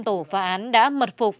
tổ phá án đã mật phục